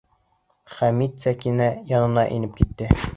Хәмит Сәкинә янына инеп китте.